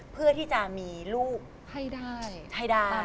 เพื่อที่จะมีลูกให้ได้